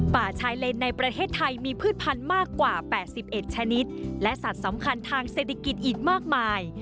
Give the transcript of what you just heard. ป่าชายเลนในประเทศไทยมีพืชพันธุ์มากกว่า๘๑ชนิดและสัตว์สำคัญทางเศรษฐกิจอีกมากมาย